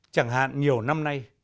chẳng hạn nhiều năm nay